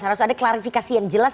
harus ada klarifikasi yang jelas